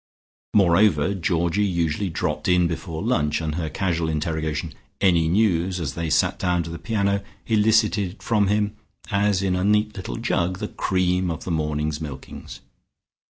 Moreover Georgie usually dropped in before lunch, and her casual interrogation "Any news?" as they sat down to the piano, elicited from him, as in a neat little jug, the cream of the morning's milkings.